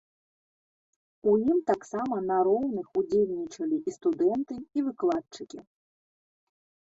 У ім таксама на роўных удзельнічалі і студэнты, і выкладчыкі.